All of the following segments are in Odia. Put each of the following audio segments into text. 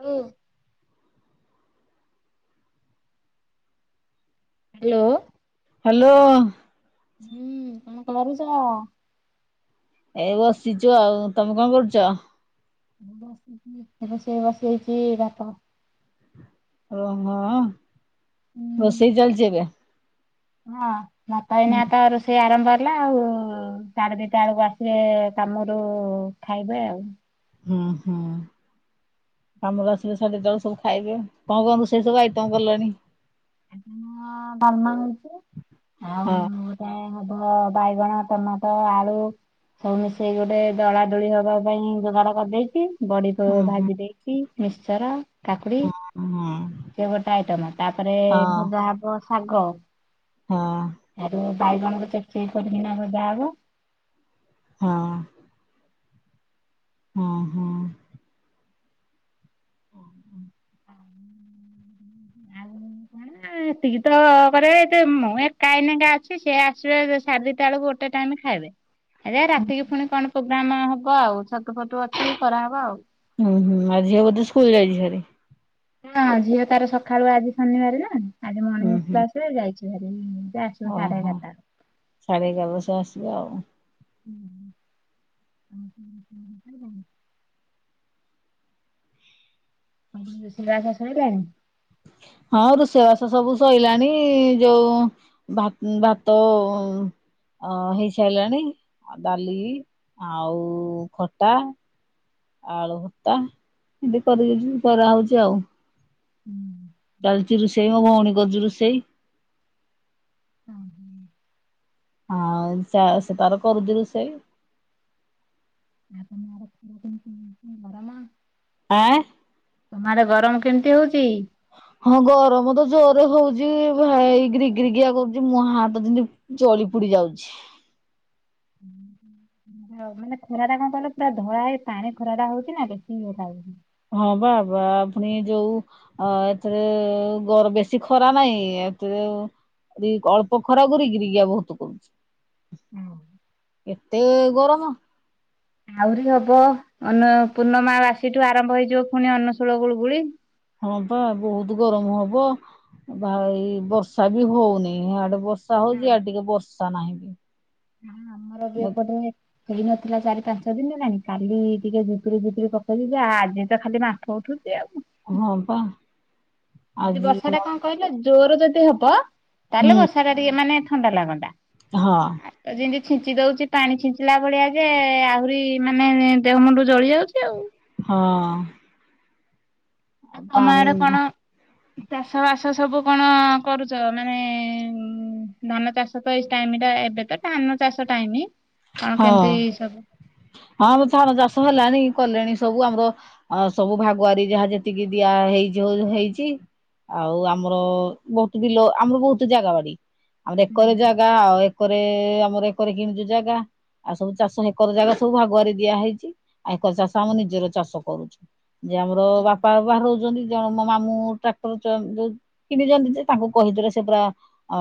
ହୁଁ ହ୍ୟାଲୋ ହ୍ୟାଲୋ ହୁଁ କନ୍ କରୁଚ ଏଇ ବସିଛୁ ଆଉ ତମେ କଣ କରୁଚ ବସିଚି ରେଷେଇ ବସେଇଛି ଭାତ। ଓହୋ ରୋଷେଇ ଚାଲିଛି ଏବେ ହଁ ଭାତ ଅନାକେ ରେଷେଇ ଆରମ୍ବ ହେଲା ଆଉ ସାଢେ ଦିଟା ବେଳକୁ ଆସିବେ କାମରୁ ଖାଇବେ ଆଉ। ହଁ ହଁ କାମ ରୁ ଆସିଲେ [inaudible] ସବୁ ଖାଇବେ କଣ କଣ ସବୁ ଆଇଟମ କଲଣି ହଁ ଡାଲମା ହେଇଚି ଆଉ ହଁ ଗୋଟେ ହଁ ବାଇଗଣ ଟମାଟ ଆଳୁ ସବୁ ମିଶେଇ ଗୋଟେ ଦଳା ଦୁଳି ହବା ପାଇଁ ଯୋଗାଡ କରିଦେଇଛି। ବଡି କୁ ହୁଁ ହୁଁ ଭାଜି ଦେଇଛିି ମିକ୍ସଚର। କାକୁଡି ହଁ ସେ ଗୋଟେ ଆଇଟମ୍ ତାପରେ ହଁ ଭଜା ହବ ଶାଗ। ହଁ। ହେଟୁ ବାଇଗଣକୁ ଚେକ୍ କରିକିନା ଭଜା ହବ। ହଁ। ହଁ ହଁ। ହୁଉ ଏତିକି ତ କରେ ଏ ମୁଁ ଏକାଏନାକେ ଅଛି ସିଏ ଆସିବେ ସାଢେ ଦିଟା ବେଳକୁ ଗୋଟେ ମେ ଖାଇବେ ଆରେ ରାତିକି ପୁଣି କଣ ପ୍ରୋଗ୍ରାମ ହବ ଆଉ ଛତୁ ଫତୁ ଅଛି କରାହେବ ଆଉ। ହୁଁ ହୁଁ ମା ଝିଅ ବୋଧେ ସ୍କୁଲ ଯାଇଚ ଭାରି। ହଁ ଝିଅ ତାର ସକାଳୁ ଆଜି ଶନିବାର ନା ଆଜି ହୁଁ ମର୍ଣିଂ ହୁଁ କ୍ଲାସରେ ଯାଇଛି ଭାରି ସେ ଆସିବ ସାଢେ ଓହୋ ଏଗାରଟା ବେଳକୁ। ସାଢ଼େ ଏଗାର ବସ ଆସିବେ ଆଉ। ହୁଁ ହ ହ [unintelligible] ରୋଷେଇ ବାସ ସଇଲାନି? ହଁ ରୁଷେଇବାସ ସବୁ ସରଲାଣି ଯୋଉ ଭାତ ଅ ହେଇସାଇଲାଣି ଆଉ ଡାଲି ଆଉ ଖଟା ଆଳୁ ଭତ୍ତା ଏମତି କରିଦେଇଛନ୍ତି କରା ହଉଛି ଆଉ, ଚାଲିଛି ରୁଷେଇ ମୋ ଭଉଣୀ କରୁଛି ରୁଷେଇ ଆଉ ଆଉ ଚା ସେ ତାର କରୁଛି ରୁଷେଇ ଆଉ ତମର [inaudible] ଆଁ ତମଆଡେ ଗରମ କେମିତି ହଉଚି? ହଁ ଗରମ ତ ଜୋରେ ହଉଛି ଏଇ ଭାଇ ରିଗିରିଗିଆ କରୁଚି ମୁଁହ ହାତ ଯେମିତି ଜଳି ହୁଡି ଯାଉଛି। ହ ମାନେ ଖରା ଟା କଣ କହିଲ ପୁରା ଧଳା ହେଇ ପାଣି ଖରା ଟା ହଉଛି ନା ବେଶୀ ଗରମ ହେଉଛି। ହଁ ବା ବା ଫୁଣି ଯୋଉ ଏଥିରେ ଗର ବେଶୀ ଖରା ନାହିଁ ଏତେ ଦି ଅଳ୍ପ ଖରା ଗିରିଗିରିଆ ବହୁତ ହଁ କରୁଛି। ଏତେ ଗରମ ଆହୁରି ହବ ଅନ୍ନ ପୂର୍ଣ୍ଣମା ବାସୀ ଠୁ ଆରମ୍ଭ ହେଇଯିବ ପୁଣି ଅନ୍ନଶୂଳ ଗୁଳୁଗୁଳି। ହଁ ପା ବହୁତ ଗରମ ହବ ବା ଏଇ ବର୍ଷା ବି ହଉନିଆଡେ ବର୍ଷ ବର୍ଷା ହଉଛି ୟାଡେ ଟିକେ ବର୍ଷା ନାହିଁ। ହଁ ଆମର ବି ଅପଟରେ ହେଇନଥିଲା ଚାରି ପାଞ୍ଚ ଦିନି ହେଲାଣି କାଲି ଟିକେ ଝିପିର ଝିପିର ପକେଇଦିଆ ଆଜି ତ ଖାଲି ବାମ୍ଫ ଉଠୁଛି। ହଁ ପା ଯଦି ଆଜି ବର୍ଷା ଟା କଣ କହିଲ ଜୋର ଯଦି ହବ, ତାହେଲେ ହୁଁ ବର୍ଷା ଟା ଟିକେ ମାନେ ଥଣ୍ଡା ଲାଗନ୍ତା। ହଁ। ତ ଯେମିତି ଛିଞ୍ଚି ଦଉଛି ପାଣି ଛିଞ୍ଚିଲା ଭଳିଆ ଯେ ଆହୁରି ମାନେ ଦେହ ମୁଣ୍ଡ ଜଳି ଯାଉଛି ଆଉ। ହଁଅ ଆଉ ତମ ଆଡେ କଣ? ଚାଷ ବାସ ସବୁ କଣ କରୁଛ ମାନେ ଧାନ ଚାଷ ତ ଏଇ ଟାଇମିଟା, ଏବେ ତ ଧାନ ଚାଷ ଟାଇମି ହଁ ହଁମ ଧାନ ଚାଷ ହେଲାଣିି। କଲେଣି ସବୁ ଆମର ଅ ସବୁ ଭାଗୁଆରୀ ଯାହା ଯେତିକି ଦିଆ ହେଇଛି ହେଇଛି ଆଉ ଆମର ବହୁତ ବିଲ ଆମର ବହୁତ ଜାଗା ବାଡି ଆମର ଏକରେ ଜାଗା ଆଉ ଏକରେ ଆମର ଏକରେ କିଣିଛୁ ଜାଗା। ଆଉ ସବୁ ଚାଷ ହେକର ଜାଗା ସବୁ ଭାଗୁଆରି ଦିଆ ହେଇଛି ଆଉ ଏକର ଚାଷ ଆମ ନିଜର ଚାଷ କରୁଛୁ। ଯେ ଆମର ବାପା ବାହାରୁ ଜଣେ ନିଜ ମୋ ମାମୁ ଟ୍ରାକ୍ଟର ଯୋଉ କିଣିଛନ୍ତି ଯେ ତାଙ୍କୁ କହିଥିଲେ ସେ ପୁରା ଅଁ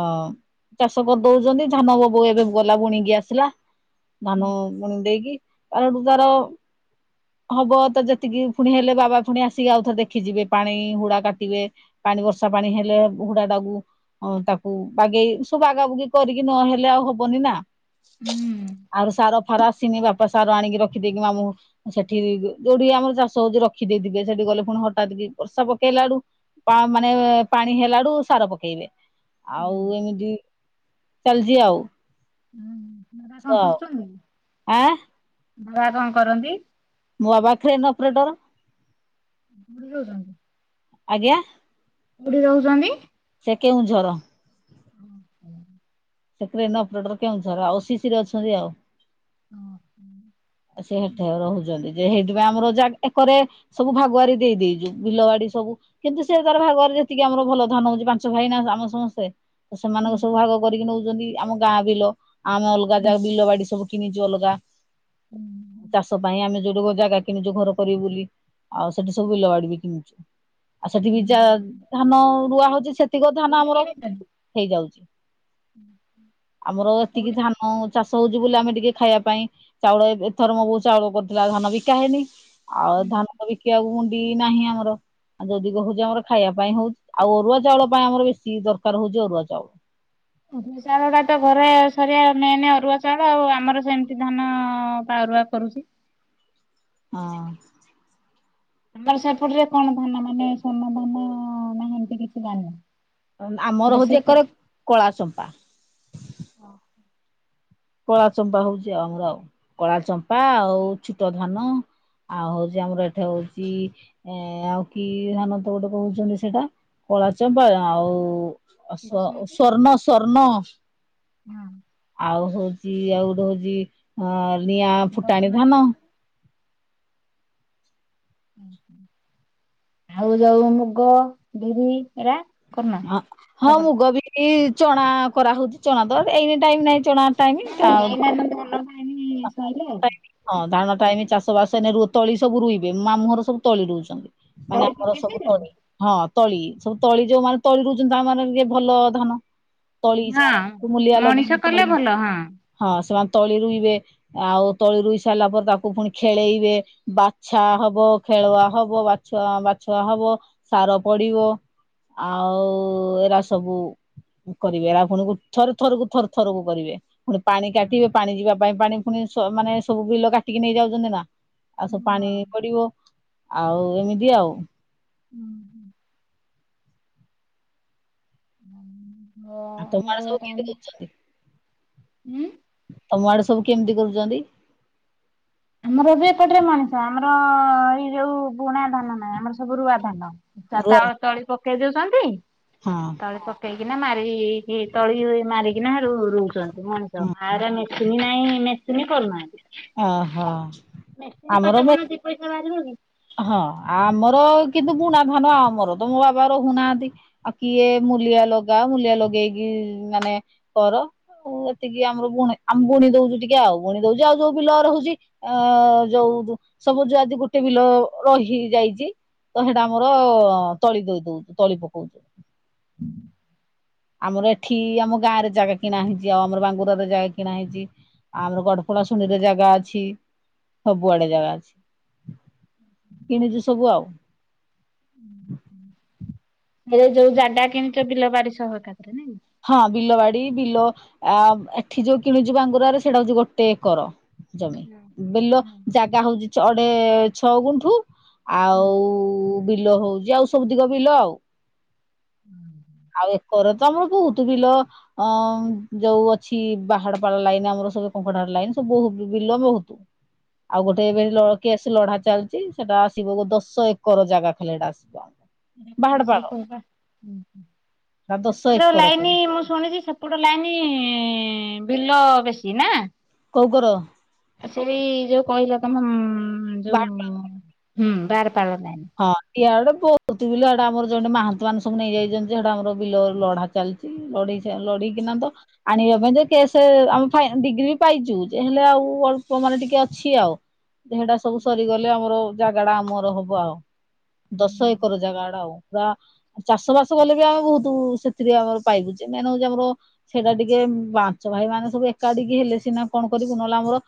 ଚାଷ କରିଦଉଛନ୍ତି ଧାନବ ବୋଉ ଏବେ ଗଲା ବୁଣିକି ଆସିଲା ଧାନ ବୁଣି ଦେଇକି କାଲିରୁ ତାର ହବ ତ ଯେତିକି ଫୁଣି ହେଲେ ବାବା ଫୁଣି ଆସିକି ଆଉଥରେ ଦେଖିଯିବେ ପାଣି ହୁଡା କାଟିବେ ପାଣି ବର୍ଷା ପାଣି ହେଲେ ହୁଡା ଡ଼ାକୁ ତାକୁ ବାଗେଇ ସବୁ ବାଗାବୁଗି କରିକି ନହେଲେ ଆଉ ହବନି ନା ହୁଁ। ଆଉ ସାର ଫାର ଆସିନି ବାପା ସାର ଆଣିକି ରଖିଦେଇକି ମାମୁଁ ସେଠି ଯୋଉିଠି ଆମର ଚାଷ ହଉଛି ରଖି ଦେଇଥିବେ ସେଠି ଗଲେ ପୁଣି ହଠାତ୍ କି ବର୍ଷା ପକେଇଲାଡୁ ପା ମାନେ ପାଣି ହେଲାଡୁ ସାର ପକେଇବେ। ଆଉ ଏମିତି ଚାଲିଛି ଆଉ। କଣ ତ କରୁଛନ୍ତି? ଆଁ ବାବା କଣ କରନ୍ତି? ମୋ ବାବା କ୍ରେନ୍ ଅପରେଟର। [unintelligible] ଆଜ୍ଞା। କୋଉଠି ରହୁଛନ୍ତି? ସେ କେଉଁଝର। [unintelligible] ସେ କ୍ରେନ୍ ଅପ୍ରେଟର କେଉଁଝର ଆଉ ସି ସିରେ ଅଛନ୍ତି ଆଉ। ହ ହ। ଆ ସେ ହଠା ରହୁଛନ୍ତି। ଯେ ହେଇଥିପ ଆମର ଯା ଏକରେ ସବୁ ଭାଗୁଆରୀ ଦେଇେଇଛୁ ବିଲ ବାଡି ସବୁ କିନ୍ତୁ ସେ ତାର ଭାଗୁଆରୀ ସେତିକି ଆମର ଭଲ ଧାନ ହଉଛି ପାଞ୍ଚ ଭାଇ ନା ଆମ ସମସ୍ତେ। ତ ସେମାନଙ୍କ ସବୁ ଭାଗ କରିକି ନେଉଛନ୍ତି ଆମ ଗାଁ ବିଲ ଆଉ ଆମ ଅଲଗା ଯାଗ ବିଲ ବାଡି ସବୁ। କିିଣିଚୁ ଅଲଗା ଚାଷ ପାଇଁ ଆମେ ଯୋଉଟୁ ଜାଗା କିଣିଛୁ ଘର କରିବୁ ବୋଲି ଆଉ ସେଠି ସବୁ ବିଲ ବାଡି ବି କିଣଛୁ। ଆଉ ସେଠି ଯା ଧାନ ରୁଆ ହଉଛି ସେତିକ ଧାନ କୋଉଠି ଆମର କିଣିଛନ୍ତି? ହେଇଯାଉଛି। ଆମର ଏତିକି କୋଉଠି ଧାନ ଚାଷ ହଉଛି ବୋଲି ଆମେ ଟିକେ ଖାଇବା ପାଇଁ ଚାଉଳ ଏଥର ମୋ ବୋଉ ଚାଉଳ କରିୁଥିଲା ଧାନ ବିକା ହେଇନି ଆଉ ଧାନ ବିକିବାକୁୁ ପୁଣି ବି ନାହିଁ ଆମର। ଆଉ ଯଦି କହୁଛି ଆମର ଖାଇବା ପାଇଁ ହଉଛି ଆଉ ଅରୁଆ ଚାଉଳ ପାଇଁ ଆମର ବେଶୀ ଦରକାର ହଉଛି ଅରୁଆ ଚାଉଳ। ଅରୁଆ ଚାଉଳ ଟା ତ ଘରେ ସରି ମେନ ଅରୁଆ ଚାଉଳ ଆଉ ଆମର ସେମିତି ଧାନ ପା କରିବା କରୁଛି। ହଁ। ଆମର ସେପଟ ରେ କଣ ଧାନ ମାନେ? ଆମର ବେଶୀ ହଉଛି ଏକରେ କଳା ଚମ୍ପା। ଓ ହୋ। କଳା ଚମ୍ପା ହଉଛି ଆଉ ଆମର ଆଉ କଳା ଚମ୍ପା ଆଉ ଛୋଟ ଧାନ। ଆଉ ହଉଛି ଆମର ଏଠି ହଉଛି ଏ ଆଉ କି ଧାନନ୍ତ ଗୋଟେ କହୁଛନ୍ତି ସେଇଟା? କଳାଚମ୍ପ ଆଉ ସ୍ଵ ବସୁମତୀ ସ୍ଵର୍ଣ୍ଣ ସ୍ଵର୍ଣ୍ଣ। ହଁ। ଆଉ ହଉଛି ଆଉ ଗୋଟେ ହଉଛି ଅ ନିଆଁ ଫୁଟାଣି ବସୁମତୀ ଧାନ। ତରକାରୀ ଆଉ ଯୋଉ ମୁଗ ବିରି ହେରା? ହ ହଁ ମୁଗ, ବିରି, ଚଣା କରାହଉଛି ଚଣା ତ ଏଇନି ଟାଇମ୍ ନାଇଁ। ଚଣା ଟାଇମ୍। ନାଇଁ [unintelligible] ଏଇନା ତ ଧାନ ପାଣି ସଇଲେ ଆଉ ହଁ ଧାନ ଟାଇମ୍ ଚାଷବାସ ଏନ ରୁ ତଳି ସବୁ ରୋଇବେ ମାମୁହଁର ସବୁ ତଳି ରୁଛନ୍ତି ମାନେ ତଳି ଆମର ପକେଇ ସବୁ ସାଇଲଣି? ତଳି ହଁ। ତଳି ସବୁ ତଳି ଯୋଉ ମାନେ ତଳି ରହୁଛନ୍ତି ତା ମାନ ଟିକେ ଭଲ ଧାନ। ତଳି ହଁ ସେମାନେ ମୂଲିଆ ମଣିଷ ଲଗେଇବେ କଲେ ତଳି ଭଲ ହଁ। ହଁ ସେମାନେ ତଳି ରୁଇବେ। ଆଉ ତଳି ରୋଇ ସାରିଲା ପରେ ତାକୁ ପୁଣି ଖେଳେଇବେ ବାଛା ହବ ଖେଳଆ ହବ। ବାଛଆ ବାଛୁଆ ହବ ସାର ପଡିବ ଆଉ ଏରା ସବୁ କରିବେ ଆପଣଙ୍କୁ ଥରେ ଥରକୁ ଥରେ ଥରକୁ କରିବେ। ପୁଣି ପାଣି କାଟିବେ। ପାଣି ଯିବା ପାଇଁ ପାଣି ପୁଣି ମାନେ ସବୁ ବିଲ କାଟିକି ନେଇଯାଉଛନ୍ତି ନା। ଆଉ ସବୁ ପାଣି ହଁ ପଡିବ ଆଉ ଏମିତି ଆଉ [unintelligible] [inaudible] ଆଉ ମୁଗ ତମର ସବୁ କିନ୍ତ୍ ଟାଇମରେ କରୁଛନ୍ତି? ଉଁ ତମ ଆଡେ ସବୁ କେମିତି କରୁଛନ୍ତି? ଆମର ବି ଏପଟରେ ମଣିଷ। ଆମର ଏଇ ଯୋଉ ବୁଣା ଧାନ ନାହିଁ ଆମର ସବୁ ରୁଆ ଧାନ। ତା ରୁଆ ତାଳ ତଳି ପକେଇ ଦଉଛନ୍ତି। ହଁ ତଳେ ପକେଇକି- କି ନା ମାରି କି ତଳି ମାରିକିନା। କରୁଛନ୍ତି ମଣିଷ। ହଁ ଗାଁରେ ମେସିନି ନାହିଁ। ମେସିନି କରୁନାହାନ୍ତି। ଓହୋ ମେସିନ୍ କଲେ ଆମର କଣ ପାଇଁ। [unintelligible] ହଁ ଆମର କିନ୍ତୁ ବୁଣା ଧାନ ଆମର ତ ମୋ ବାବା ରହୁନାହାନ୍ତି ଆଉ କିଏ ମୂଲିଆ ଲଗା ମୂଲିଆ ଲଗେଇକି ମାନେ କର। ଆଉ ଏତିକି ଆମର ବୁଣି ଆମେ ବୁଣି ଦଉଚୁ ଟିକେ ଆଉ ବୁଣି ଦଉଚୁ ଆଉ ଯୋଉ ବିଲ ରହୁଚି ଅ ଯୋଉ ସବୁ ଜୁ ଆଜିି ଗୋଟେ ବିଲ ରହି ଯାଇଚି ତ ହେଟା ଆମର ତଳି ଦେଇ ଦଉ ତଳି ପକଉ। ଆମର ଏଠି ଆମ ଗାଁ ରେ ଜାଗା କିଣା ହେଇଚି ଆଉ ଆମର ବାଙ୍ଗୁରରେ ଜାଗା କିଣା ହେଇଚି ଆଉ ଆମର ଗଡପ ପଳାଶୁଣୀ ରେ ଜାଗା ଅଛି ସବୁ ଆଡେ ଜାଗା ଅଛି। କିଣିଚୁ ସବୁ ଆଉ। ଏବେ ଯୋଉ ଜାଗା କିଣିଚ ବିଲ ବାରି ସହ କକା ହଁ ବିଲବାଡ଼ି ଡି ବିଲ ଆ ଏଠି ଯୋଉ କିଣୁଚି ବାଙ୍ଗୁରାରେ ସେଇଟା ହଉଚି ଗୋଟେ ଏକର। ଜମି ବିଲ ଜାଗା ହଉଚି ଅଡେ ଛଅ ଗୁଣ୍ଠୁ ଆଉ ବିଲ ହଉଚି ଆଉ ସବୁ ତିକ ବିଲ ଆଉ। ଆଉ ଏକର ତ ଆମର ବୋହୁତ ତ ବିଲ ଅଁ ଯୋଉ ଅଛି ବାହାଡପାଳ ଲାଇନ୍ ଆମର ସ କଙ୍କଡା ହାଡ଼ ଲାଇନ୍ ସବୁ ବହୁ ବିଲ ବୋଉତ ଆଉ ଗୋଟେ ଏବେ ଲ କେସ୍ ଲଢା ଚାଲିଚି ସେଟା ଆସିବ ଦଶ ଏକର ଜାଗା ଖାଲି ସେଟା ଆସିବ। ବାହାଡପାଳ ଦଶ ସେପଟର ଏକର ଲାଇନ୍ ଖାଲି ମୁଁ ଶୁଣିଚି ସେପଟ ଲାଇନ୍ ବିଲ ବେଶୀ ନା? କୋଉ କର ସେଇ ଯୋଉ କହିଲ ତମେ ମ୍ ଯୋଉ ହୁଁ ବାର ପାର ଲାଇନ୍ ହଁ ଇଆଡେ ବହୁତ ବିଲ ଏଡା ଆମର ଜଣେ ମହାନ୍ତି ମାନେ ସବୁ ନେଇଯାଇଛନ୍ତି ଯେ ହେଟା ଆମର ବିଲ ଲଢା ଚାଲିଚି ଲଢେଇ ସେ ଲଢ଼ିକି ନା ତ ଆଣିବା ପାଇଁ ଯେ କେସ୍ ଆମେ ଫା ଡିଗ୍ରୀ ବି ପାଇଚୁ ଯେ ହେଲେ ଆଉ ଅଳ୍ପ ମାନେ ଟିକେ ଅଛି ଆଉ। ଯେ ହେଟା ସବୁ ସରିଗଲେ ଆମର ଜାଗା ଟା ଆମର ହବ ଆଉ। ଦଶ ହୁଁ। ଏକର ଜାଗା ହେଟା ଆଉ। ପୁରା ଚାଷ ବାସ କଲେ ବି ଆମେ ବହୁତ ସେଥିରେ ଆମର ପାଇବୁ ଚିହ୍ନା ନୁହୁଯେ ଆମର ସେଇଟା ଟିକେ ଉଁ ପାଞ୍ଚ ଭାଇ ମାନେ ସବୁ ଏକାଠିକି ହେଲେ ସିନା କଣ କରିବୁ ନହେଲେ ଆମର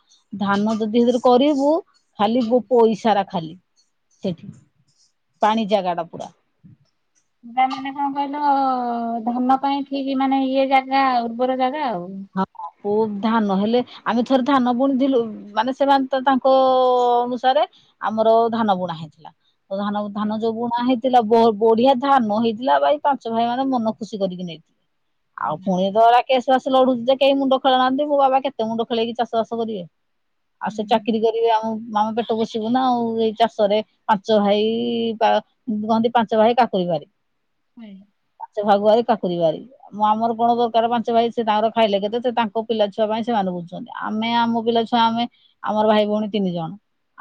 ଧାନ ଯଦି ସେଥିରେ କରିବୁ ଖାଲି ଗୋ ପଇସାରା ଖାଲି ସେଠି ପାଣି ଜାଗା ଟା ପୁରା। ପୁରା ମାନେ କଣ କହିଲ ଧାନ ପାଇଁ ଠିକ ମାନେ ଇଏ ଜାଗା ଉର୍ବର ଜାଗା ଆଉ। ହଁ। ବହୁତ ଧାନ ହେଲେ ଆମେ ଥରେ ଧାନ ବୁଣିଥିଲୁ ମାନେ ସେମାନେ ତ ତାଙ୍କ ଅନୁସାରେ ଆମର ଧାନ ବୁଣା ହେଇଥିଲା ତ ଧାନ ଧାନ ଯୋଉ ବୁଣା ହେଇଥିଲା ବ ବଢିଆ ଧାନ ହେଇଥିଲା ଭାଇ ପାଞ୍ଚ ଭାଇ ମାନେ ମନ ଖୁସି କରିକି ନେଇଥିଲେ। ଆଉ ପୁଣି ତ ହେରା କେଶ୍ ବାସ୍ ହୁଡ ଯେ କେହି ମୁଣ୍ଡ ଖେଳୋଉ ନାହାନ୍ତି ମୋ ବାବା କେତେ ମୁଣ୍ଡ ଖେଳକି ଚାଷ ବାସ କରିବେ। ଆଉ ସେ ଚାକିରି କରିବେ ଆମ ମାମା ପେ ଟ ବସିବୁ ନା ଆଉ ଏଇ ଚାଷରେ ପାଞ୍ଚ ଭାଇ ପା କହନ୍ତି ପାଞ୍ଚ ଭାଇ କାକୁରି ବାରି। ପାଞ୍ଚ ଭାଗଆାରୀ କାକୁରି ବାରି ଆ ମୁଁ ଆମର କଣ ଦରକାର ପାଞ୍ଚ ଭାଇ ସେ ତାଙ୍କର ଖାଇଲେ କେତେ ସେ ତାଙ୍କ ପିଲା ଛୁଆ ପାଇଁ ସେମାନେ ବୁଝୁଚନ୍ତି ଆମେ ଆମ ପିଲାଛୁଆ ଆମେ ଆମର ଭାଇ ଭଉଣୀ ତିନ ତିନି ଜଣ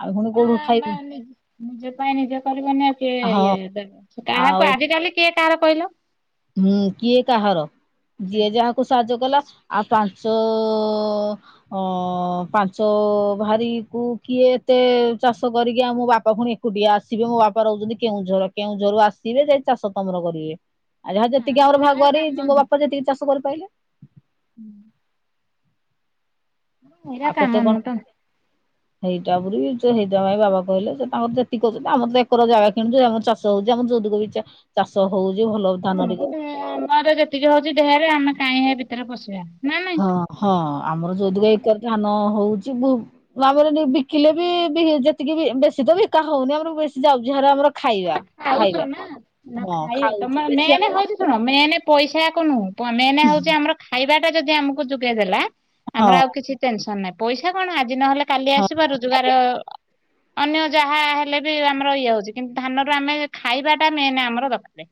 ଆଉ ପୁଣି କୋଉଠୁ ଆମା ଖାଇବୁ ନିଜ ନିଜ ପାଇଁ ନିଜେ କରିବନି ଆଉ କିଏ ହଁ ଇଏ ଆଉ କାହାକୁ ଆଜିକାଲି କିଏ କାହାର କହିଲ? ହୁଁ କିଏ କାହାର ଯିଏ ଯାହାକୁ ସାହାଯ୍ୟ କଲା ଆଉ ପାଞ୍ଚ ଅ ପାଞ୍ଚ ଭାରି କୁ କିଏ ଏତେ ଚାଷ କରିକି ଆଉ ମୋ ବାପା ଫୁଣି ଏକୁଟିଆ ଆସିବେ ମୋ ବାପା ରହୁଛନ୍ତି କେଉଁଝର କେଉଁଝରରୁ ଆସିବେ ସେ ଚାଷ ତମର କରିବେ ଆ ଯାହା ନା ଯେତିକି ମ ଆମର ହେରା ଭାଗୁଆରି କାମ ମୋ ନୁହଁ ବାପା ଯେତିକି ଚାଷ କରିପାରିଲେ? ଏଇରା ଆଉ କେତେ କାମ କଣ ନୁହଁ ତ ହେଇଟା ବୋଲି ହେଁଇଟା ପାଇଁ ବାବା କହିଲେ ସେ ତାଙ୍କର ଯେତିକିଛନ୍ତି ଆମର ତ ଏକର ଜାଗା କିଣୁଛି ଆମର ଚାଷ ହଉଛି ଆମ ଯୋଉ ତକ ବି ଚାଷ ଚାଷ ହଉ ହୁଁ ଆମର ଯେତିକି ହଉଛି ଧେଢ଼ରେ ଆମେ କାହିଁକି ସେ ଭିତରେ ପଶିବା। ନା ନାଇଁ। ହଁ ହଁ ଆମର ଯୋଉ ତିକ ଏକରେ ଧାନ ହଉ ଭୁ ଭାବରେ ଆମର ବିକିଲେ ବି ବି ଯେତିକି ବେଶୀ ତ ବିକା ହଉନି ଆମର ବେଶୀ ଯାଉଛି ଆମର ତମେ ଖାଇବା। ଖାଉଛ ଖାଇବାରେ ନା ନା ହଁ ଖାଇବେ ଖାଉଛୁ ତମର ବେଶୀ ମେନ ଆମର ହଉଛି ଶୁଣ ମେନ ପଇସା କୁ ନୁହଁ ମେନେ ହଉ ଯେ ଆମର ଖାଇବାଟା ଯୋଗେଇ ଦେଲା ଆମର ଆଉ କିଛି ଟେନସନ ନାଇଁ ପଇସା କଣ ଆଜି ନଲେ କାଲି ହଁ ଆସିବ ହଁ ରୋଜଗାର ଅନ୍ୟ ଯାହା ହେଲେ ବି ଆମର ଇଏ ହଉଛି କିନ୍ତୁ ଧାନ ର ଆମେ ଖାଇବା ଟା ମେନ ଆମର ରଖିବା।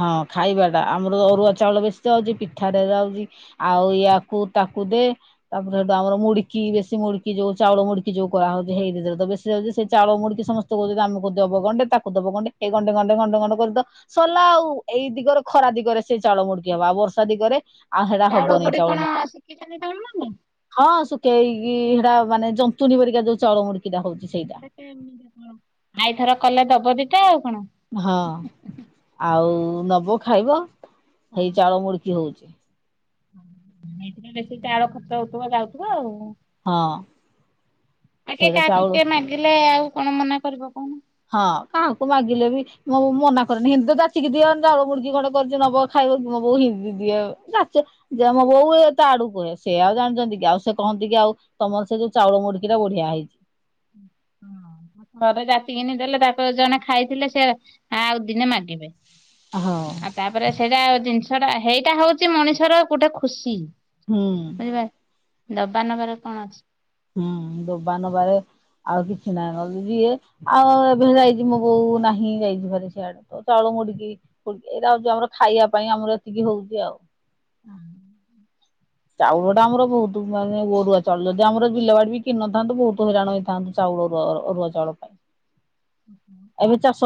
ହଁ ଖାଇବା ଟା ଆମର ଅରୁଆ ଚାଉଳ ବେଶୀ ଯାଉଛି ପିଠାରେ ଯାଉଛି ଆଉ ୟାକୁ ତାକୁ ତାକୁ ଦେ ତାପରେ ସେଇଟୁ ଆମର ମୁଡିକି ବେଶୀ ମୁଡିକି ଯୋଉ ଚାଉଳ ମୁୁଡିକି ଯୋଉ କରା ଯାଉଛି ତ ହେଇଥେରେ ବେଶୀ ଯାଉଛି ସେ ଚାଉଳ ମୁଡିକି ସମସ୍ତେ କହୁଛନ୍ତି ଯୋଉ ଆମକୁ ଦବ ଗଣ୍ଡେ ତାକୁ ଦବ ଗଣ୍ଡେ ଏଇ ଗଣ୍ଡେ ଗଣ୍ଡେ କରି ସରିଲା ଆଉ। ଏଇ ଦିଗରେ ଖରା ଦିଗରେ ସେ ଚାଳ ମୁଡକି ହବା ଆଉ ବର୍ଷା ଦିଗରେ ଆଉ ଏରା ହେବନି କୋଉଠି ଚାଉଳ କଣ ମୁଡୁକି ଶିଖିଛନ୍ତି ତମେମାନେ ହଁ ଶୁ ସୁଖେଇକି କି ସେଉଟା ମାନେ ଜନ୍ତୁଣି ପରିକା ଯୋଉ ଚାଉଳମୁଡିକି ଏଇଥର କଲେ ଦବ ଦିଟା ଆଉ କଣ? ହଁ ଆଉ ନବୁ ଖାଇବ। ହେଇ ଚାଳ ମୁଡକି ହୋଉଚି। ଏଇଥିରେ ବେଶୀ ଚାଉଳ ଖର୍ଚ୍ଚ ହୋଉଥିବ ଯାଉଥିବ ଆଉ। ହଁ ଆ କିଏ ସେଇଟା କାହାକୁ ଚାଉଳ କିଏ ମାଗିଲେ ଆଉ କଣ ମନା କରିବ କୋହୁନୁ? ହଁ କାହାକୁ ମାଗିଲେ ବି ମୁଁ ମନା କରେନି ଏମିତି ତ ଯାଚିକି ଦିଏ। ଚାଉଳ ମୁଡକି ଗଣ୍ଡେ କରିଚି ନବ ଖାଇ ମୋ ବୋଉ ହି ଦିଏ ଯାଚେ ମୋ ବୋଉ ଏ ତ ଆଡୁ କୁହେ ସେ ଆଉ ଜାଣିଚନ୍ତି କି ଆଉ ସେ କହ ଟିକେ ଆଉ ତମର ସେ ଯୋଉ ଚାଉଳ ମୁଡକି ଟା ବଢିଆ ହେଇଚି। ହଁ ଥରେ ଜାଚି କିିନି ଦେଲେ ତାକୁ ଜଣେ ଖାଇଥିଲେ ସେ ଆଉ ଦିନେ ମାଗିବେ। ଆଉ ତାପରେ ସେଇଟା ଜିନିଷ ଟା ହେଇଟା ହୋଉଚି ମଣିଷର ଗୋଟେ ଖୁସି। ହୁଁ। ବୁଝିପାଇଲ। ଦବା ନବାର କଣ ଅଛି। ହୁଁ ଦବା ନବାରେ ଆଉ କିଛି ନାହିଁ କ ଯିଏ ଆଉ ଏବେ ଯାଇଚି ମୋ ବୋଉ ନାହିଁ ଯାଇଚି ଘରେ ସିଆଡେ ତ ତଳୁ ମୁଡକି ଫୁଡକି ଏଇରା ହୋଉଚି ଆମର ଖାଇବା ପାଇଁ ଆମର ଏତିକି ହୋଉଚି ଆଉ। ଅଂ ହଁ। ଚାଉଳଟା ଆମର ବୋହୁତ ମାନେ ଗୋରୁଆ ଚାଉଳ ଯଦି ଆମର ବିଲବାଡି ବି କିଣିନଥାନ୍ତୁ ବୋହୁତ ହଇରାଣ ହୋଇଥାନ୍ତୁ ଚା [unintelligible] ଅରୁଆ ଚାଉଳ ପାଇଁ। ଏବେ ଚାଷ [unintelligible]